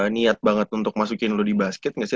niat banget untuk masukin lo di basket gak sih